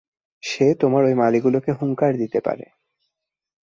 সে তোমার ঐ মালীগুলোকে হুংকার দিতে পারে।